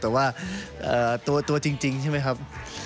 แต่ว่าตัวจริงใช่ไหมครับ